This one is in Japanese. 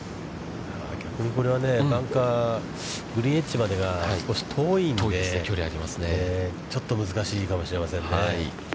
逆に、これはね、バンカー、グリーンエッジまでが少し遠いんで、ちょっと難しいかもしれませんね。